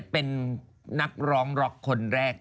เป็นนักร้องร็อกคนแรก